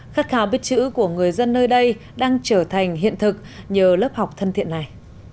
khát khao biết chữ của người dân nơi đây đang trở thành hiện thực nhờ lớp học thân thiện này